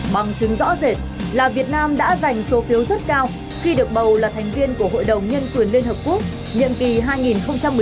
bằng chứng rõ rệt là việt nam đã giành số phiếu rất cao khi được bầu là thành viên của hội đồng nhân quyền liên hợp quốc